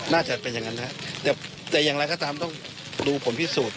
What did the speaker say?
น่าจะเป็นอย่างนั้นนะครับแต่อย่างไรก็ตามต้องดูผลพิสูจน์